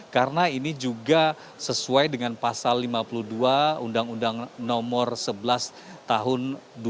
karena ini juga sesuai dengan pasal lima puluh dua undang undang nomor sebelas tahun dua ribu dua belas